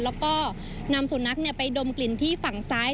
แล้วก็นำสุนัขไปดมกลิ่นที่ฝั่งซ้าย